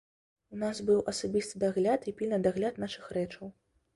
У нас быў асабісты дагляд і пільны дагляд нашых рэчаў.